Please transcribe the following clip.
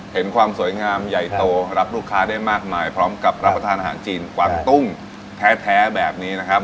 เห็นความสวยงามใหญ่โตรับลูกค้าได้มากมายพร้อมกับรับประทานอาหารจีนกวางตุ้งแท้แบบนี้นะครับ